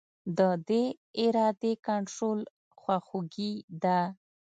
د دې ارادې کنټرول خواخوږي ده.